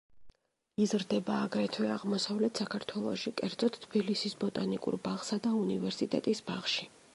იზრდება აგრეთვე აღმოსავლეთ საქართველოში, კერძოდ თბილისის ბოტანიკურ ბაღსა და უნივერსიტეტის ბაღში.